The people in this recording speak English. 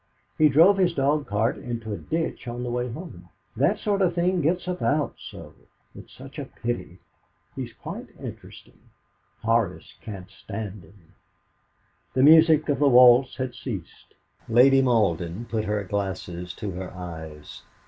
He drove his dog cart into a ditch on the way home. That sort of thing gets about so. It's such a pity. He's quite interesting. Horace can't stand him." The music of the waltz had ceased. Lady Malden put her glasses to her eyes.